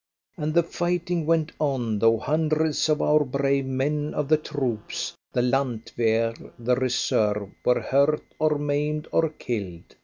And the fighting went on, though hundreds of our brave men of the troops the landwehr, the reserve were hurt, or maimed, or killed.